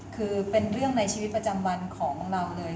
คือเป็นเรื่องในชีวิตประจำวันของเราเลย